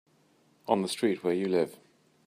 On the street where you live.